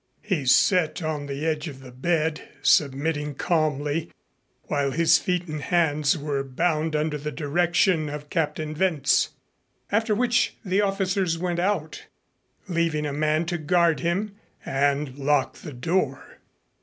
He sat on the edge of the bed submitting calmly while his feet and hands were bound under the direction of Captain Wentz; after which the officers went out, leaving a man to guard him, and locked the door.